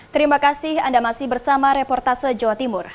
terima kasih anda masih bersama reportase jawa timur